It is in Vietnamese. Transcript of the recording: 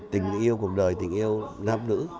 tình yêu cuộc đời tình yêu nam nữ